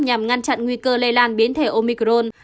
nhằm ngăn chặn nguy cơ lây lan biến thể omicron